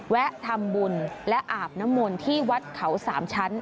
แวะทำบุญและอาบน้ำมนต์ที่วัดเขาสามชั้น